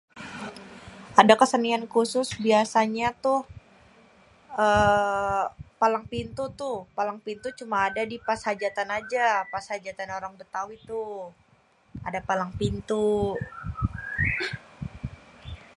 Ada kesenian khusus. Biasanya tuh ééé palang pintu tu. Palang pintu cuma ada di pas ada kegiatan aja pas, hajatan orang Betawi tu. Ada palang pintu.